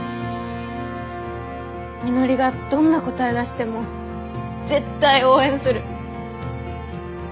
みのりがどんな答え出しても絶対応援する。